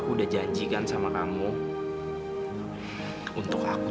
tidak tujuanmu sama fromv chords